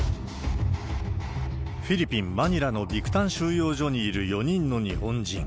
フィリピン・マニラのビクタン収容所にいる４人の日本人。